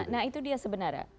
nah itu dia sebenarnya